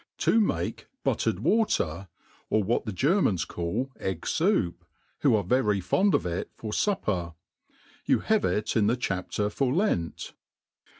TV make Butiertd^JVater^ or what the Germans call Egg' Souf^ who are very fond of it for Supper. Tiu have it in the Chapter for Lent.